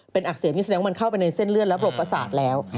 เป็นอักเสบนี่แสดงว่ามันเข้าไปในเส้นเลื่อนแล้วบริปศาสตร์แล้ว